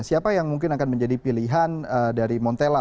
siapa yang mungkin akan menjadi pilihan dari montella